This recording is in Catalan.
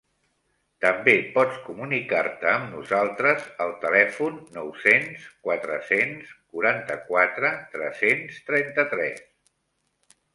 També pots comunicar-te amb nosaltres al telèfon nou-cents quatre-cents quaranta-quatre tres-cents trenta-tres.